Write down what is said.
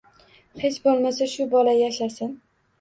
Hech bo`lmasa, shu bola yashasin